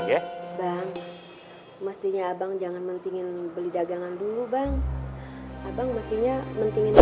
ya bang mestinya abang jangan mendingin beli dagangan dulu bang abang mestinya mendingin